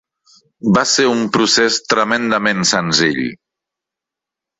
Va ser un procés tremendament senzill.